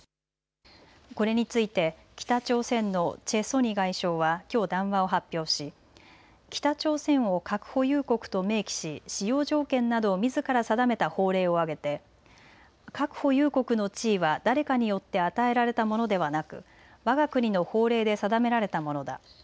これについて北朝鮮のチェ・ソニ外相はきょう談話を発表し北朝鮮を核保有国と明記し使用条件などをみずから定めた法令を挙げて核保有国の地位は誰かによって与えられたものではなくわが国の法令で定められたものだ。